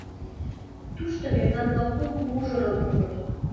Тушто мемнан-влак кум мужырын улыт.